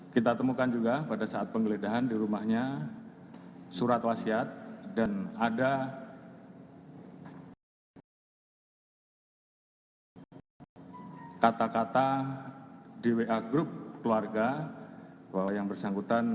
kita temukan juga pada saat pengledahan di rumahnya surat wasiat dan ada